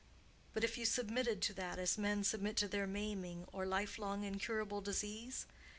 But if you submitted to that as men submit to maiming or life long incurable disease?